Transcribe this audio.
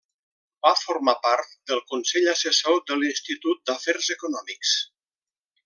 Va formar part del consell assessor de l'Institut d'Afers Econòmics.